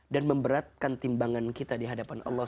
dan memberatkan timbangan kita dihadapan allah